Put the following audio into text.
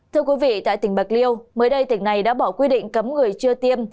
thưa quý vị tại tỉnh bạc liêu mới đây tỉnh này đã bỏ quy định cấm người chưa tiêm